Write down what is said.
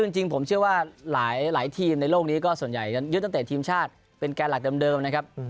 จริงผมเชื่อว่าหลายทีมในโลกนี้ก็ส่วนใหญ่ยึดตั้งแต่ทีมชาติเป็นแกนหลักเดิมนะครับ